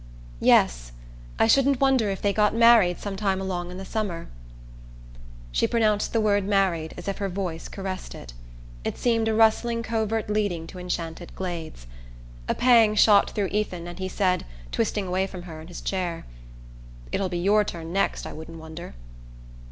"Yes. I shouldn't wonder if they got married some time along in the summer." She pronounced the word married as if her voice caressed it. It seemed a rustling covert leading to enchanted glades. A pang shot through Ethan, and he said, twisting away from her in his chair: "It'll be your turn next, I wouldn't wonder."